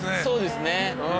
そうですね。